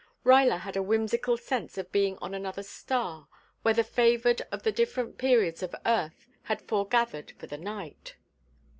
Ruyler had a whimsical sense of being on another star where the favored of the different periods of Earth had foregathered for the night.